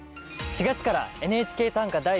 ４月から「ＮＨＫ短歌」